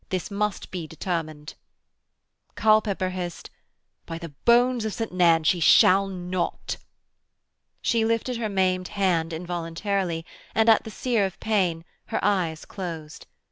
'This must be determined.' Culpepper hissed: 'By the bones of St. Nairn she shall not.' She lifted her maimed hand involuntarily, and, at the sear of pain, her eyes closed.